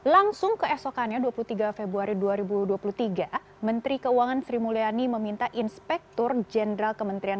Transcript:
langsung keesokannya dua puluh tiga februari dua ribu dua puluh tiga menteri keuangan sri mulyani meminta inspektur jenderal kementerian